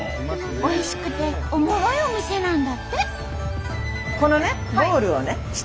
おいしくておもろいお店なんだって。